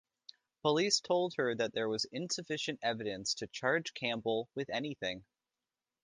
Police told her that there was insufficient evidence to charge Campbell with anything.